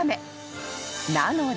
［なので］